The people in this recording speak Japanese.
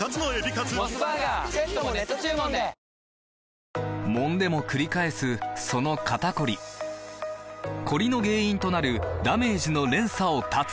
わかるぞもんでもくり返すその肩こりコリの原因となるダメージの連鎖を断つ！